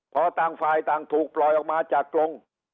พอต่างฝ่ายต่างถูกปล่อยออกมาจากกรง